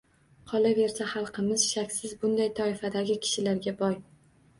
Qolaversa, xalqimiz shaksiz bunday toifadagi kishilarga boy.